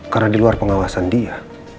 karena di luar pengawasan dia